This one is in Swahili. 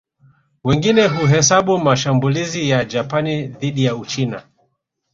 Wengine huhesabu mashambulizi ya Japani dhidi ya Uchina